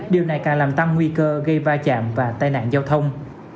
điều này càng làm tăng nguy cơ gây va chạm và tai nạn giao thông